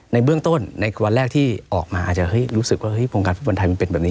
ในเบื้องต้นในวันแรกที่ออกมาอาจจะรู้สึกว่าวงการฟุตบอลไทยมันเป็นแบบนี้